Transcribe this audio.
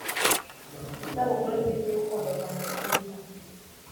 isabukuru nziza, urukundo rwanjye rwiza